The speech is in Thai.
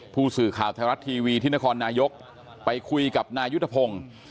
ผู้สื่อข่าวไทยรัฐทีวีที่นครนายกไปคุยกับนายุทธพงศ์